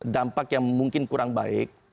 dampak yang mungkin kurang baik